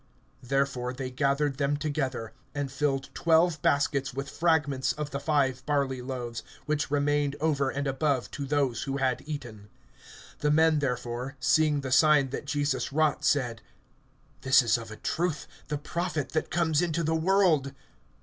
(13)Therefore they gathered them together, and filled twelve baskets with fragments of the five barley loaves, which remained over and above to those who had eaten. (14)The men therefore, seeing the sign that Jesus wrought, said: This is of a truth the Prophet that comes into the world.